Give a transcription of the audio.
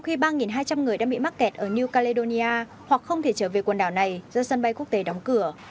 khi ba hai trăm linh người đã bị mắc kẹt ở new caledonia hoặc không thể trở về quần đảo này do sân bay quốc tế đóng cửa